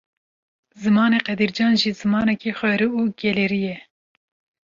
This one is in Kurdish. Zimanê Qedrîcan jî, zimanekî xwerû û gelêrî ye